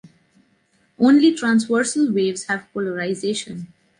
Only transversal waves have polarization.